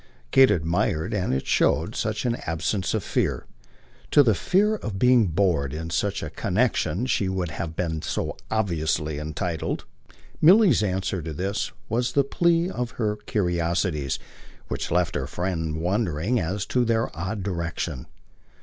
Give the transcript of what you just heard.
Kate admired, and showed it, such an absence of fear: to the fear of being bored in such a connexion she would have been so obviously entitled. Milly's answer to this was the plea of her curiosities which left her friend wondering as to their odd direction.